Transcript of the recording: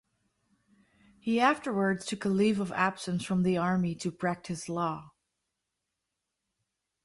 He afterwards took a leave of absence from the army to practice law.